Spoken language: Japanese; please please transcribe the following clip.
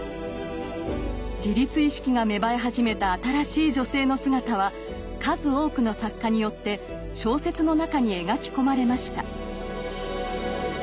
自立意識が芽生え始めた新しい女性の姿は数多くの作家によって小説の中に描き込まれました。